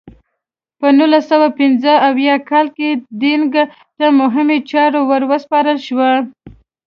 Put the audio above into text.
په نولس سوه پنځه اویا کال کې دینګ ته مهمې چارې ور وسپارل شوې.